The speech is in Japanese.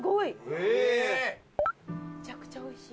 ・え！・むちゃくちゃおいしい。